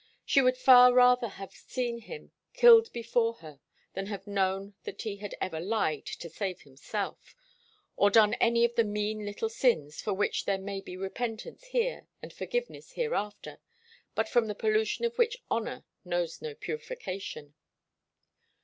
She would far rather have seen him killed before her than have known that he had ever lied to save himself, or done any of the mean little sins, for which there may be repentance here and forgiveness hereafter, but from the pollution of which honour knows no purification.